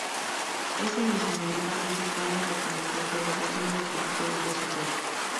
Ese mismo año participó en el cortometraje "La Bocina" de Felipe Gómez-Ullate.